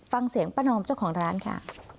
ฟังเสียงป้านอมเจ้าของร้านค่ะ